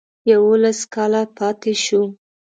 یوولس کاله پاته شو.